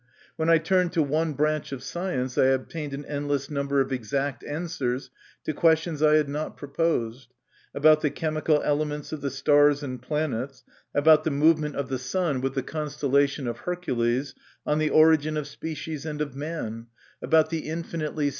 When I turned to one branch of science, I obtained an endless number of exact answers to questions I had not proposed : about the chemical elements of the stars and planets, about the movement of the sun with the constellation of Hercules, on the origin of species and of man, about the infinitely MY CONFESSION.